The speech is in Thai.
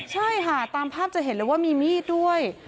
ใช่ค่ะตามภาพจะเห็นเลยว่ามีมีดด้วย